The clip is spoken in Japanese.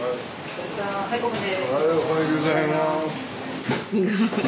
おはようございます。